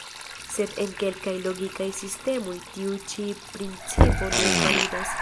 Sed en kelkaj logikaj sistemoj tiu ĉi principo ne validas.